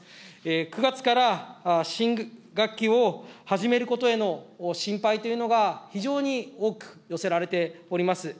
９月から新学期を始めることへの心配というのが、非常に多く寄せられております。